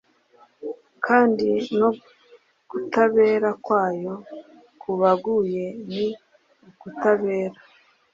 kandi no kutabera kwayo: ku baguye ni ukutabera;